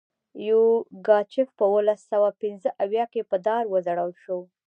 یوګاچف په اوولس سوه پنځه اویا کې په دار وځړول شو.